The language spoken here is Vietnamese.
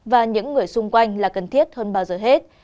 và những người xung quanh là cần thiết hơn bao giờ hết